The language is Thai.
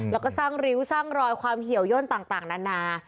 แล้วก็สร้างริ้วสร้างรอยความเหี่ยวย่นต่างนานา